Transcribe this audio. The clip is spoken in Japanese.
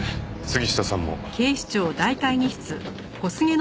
杉下さんも。